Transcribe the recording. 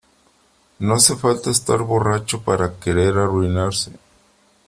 no hace falta estar borracho para querer arrimarse